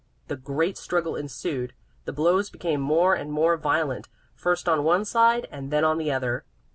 A great struggle ensued; the blows became more and more violent, first on one side and then on the other.